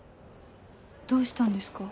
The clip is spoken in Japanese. どうしたんですか？